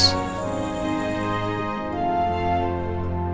apakah aku harus tersenyum terus